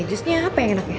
jusnya apa yang enak ya